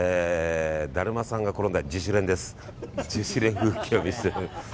だるまさんが転んだ自主連です。